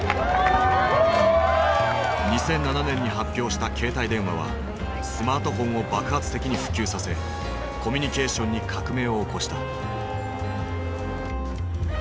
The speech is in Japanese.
２００７年に発表した携帯電話はスマートフォンを爆発的に普及させコミュニケーションに革命を起こした。